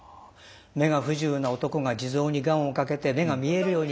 目が不自由な男が地蔵に願をかけて目が見えるようになる。